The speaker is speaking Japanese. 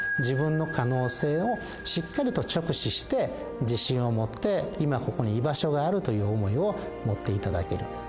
自分の可能性をしっかりと直視して自信を持って今ここに居場所があるという思いを持っていただける。